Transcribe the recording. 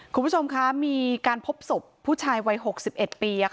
คุณผู้ชมค่ะมีการพบศพผู้ชายวัยหกสิบเอ็ดปี